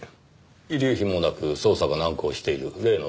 遺留品もなく捜査が難航している例の事件ですか？